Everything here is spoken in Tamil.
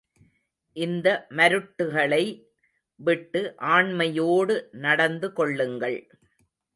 இந்த மருட்டுகளை விட்டு ஆண்மையோடு நடந்து கொள்ளுங்கள்.